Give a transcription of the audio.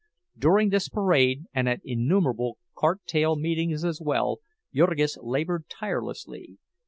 During this parade, and at innumerable cart tail meetings as well, Jurgis labored tirelessly.